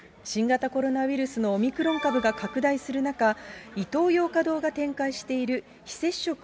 新型コロナウイルスのオミクロン株が拡大する中、イトーヨーカドーが展開している非接触